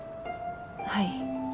はい。